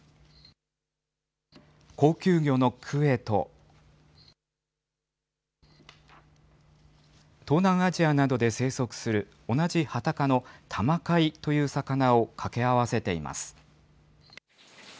高級魚のクエと、東南アジアなどで生息する、同じハタ科のタマカイという魚を掛け合わせています。